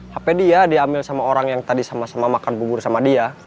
hp dia diambil sama orang yang tadi sama sama makan bubur sama dia